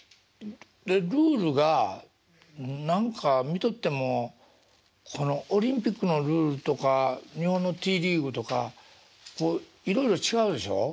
でルールが何か見とってもこのオリンピックのルールとか日本のＴリーグとかこういろいろ違うでしょ？